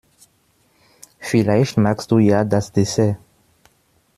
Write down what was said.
Vielleicht magst du ja das Dessert?